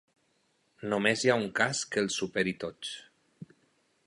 Només hi ha un cas que els superi tots.